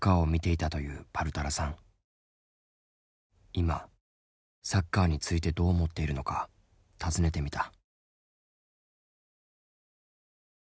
今サッカーについてどう思っているのか尋ねてみた。